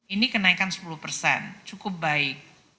ini kenaikan sepuluh persen cukup baik